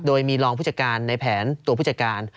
โดยมีรองผู้จัดการในแผนตัวผู้จัดการ